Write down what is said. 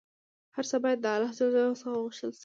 هر څه باید د الله ﷻ څخه وغوښتل شي